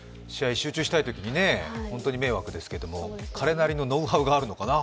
集中したいときに、本当に迷惑ですけれども、彼なりのノウハウがあるのかな。